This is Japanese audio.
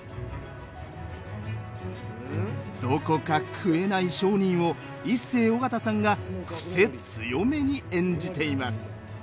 どこか食えない商人をイッセー尾形さんが癖強めに演じています。